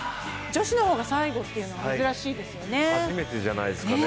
女子の方が最後というのは珍しいですよね。